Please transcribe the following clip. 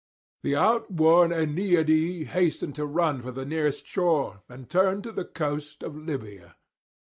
The outworn Aeneadae hasten to run for the nearest shore, and turn to the coast of Libya.